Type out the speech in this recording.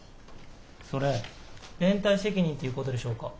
それ連帯責任っていうことでしょうか。